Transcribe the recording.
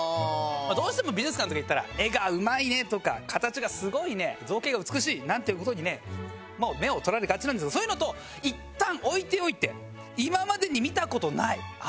どうしても美術館とか行ったら絵がうまいねとか形がすごいね造詣が美しいなんていう事にねもう目を取られがちなんですけどそういうのいったん置いておいて。